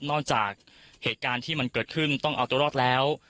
จากเหตุการณ์ที่มันเกิดขึ้นต้องเอาตัวรอดแล้ว